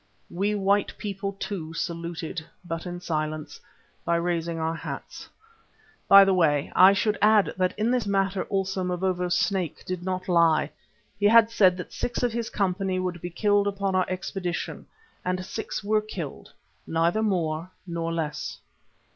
We white people too saluted, but in silence, by raising our hats. By the way, I should add that in this matter also Mavovo's "Snake" did not lie. He had said that six of his company would be killed upon our expedition, and six were killed, neither more nor less.